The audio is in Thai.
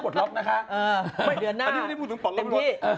ตอนนี้ก็ไม่ได้พูดถึงตอบร่วมรถ